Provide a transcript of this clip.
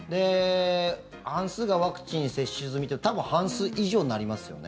半数がワクチン接種済みって多分、半数以上になりますよね。